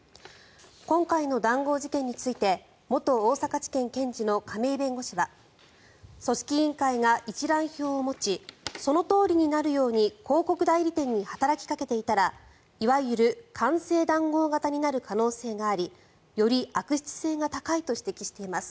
今回の談合事件について元大阪地検検事の亀井弁護士は組織委員会が一覧表を持ちそのとおりになるように広告代理店に働きかけていたらいわゆる官製談合型になる可能性がありより悪質性が高いと指摘しています。